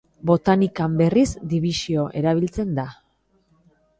Botanikan, berriz, dibisio erabiltzen da.